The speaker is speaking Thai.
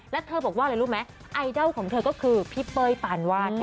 แล้วเธอบอกว่าอะไรรู้ไหมไอดอลของเธอก็คือพี่เป้ยปานวาด